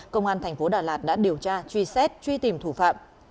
công an thành phố đà lạt đã điều tra truy xét truy tìm thủ phạm